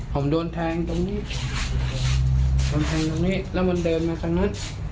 ผมโดนแทงตรงนี้แล้วมันเดินมาทางนั้น